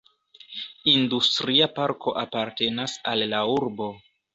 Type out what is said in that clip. Industria parko apartenas al la urbo.